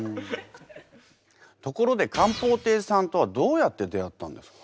ところで咸豊帝さんとはどうやって出会ったんですか？